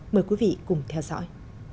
mời quý vị cùng theo dõi